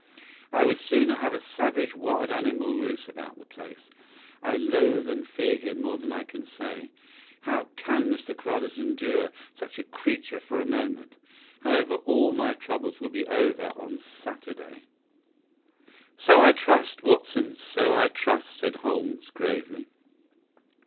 I would sooner have a savage wild animal loose about the place. I loathe and fear him more than I can say. How CAN Mr. Carruthers endure such a creature for a moment? However, all my troubles will be over on Saturday." "So I trust, Watson; so I trust," said Holmes, gravely.